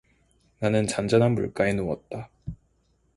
나는 잔잔한 물가에 누웠다.